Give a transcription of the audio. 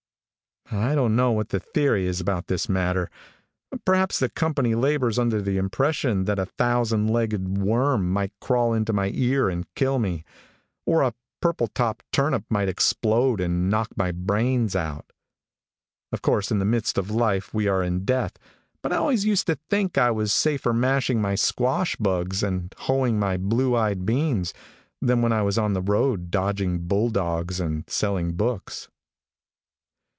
"I don't know what the theory is about this matter. Perhaps the company labors under the impression that a thousand legged worm might crawl into my ear and kill me, or a purple top turnip might explode and knock my brains out. "Of course, in the midst of life we are in death, but I always used to think I was safer mashing my squash bugs and hoeing my blue eyed beans than when I was on the road, dodging bulldogs and selling books.